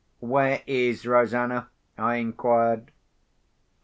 "Where is Rosanna?" I inquired.